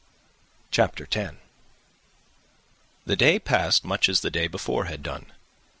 The day passed much as the day before had done.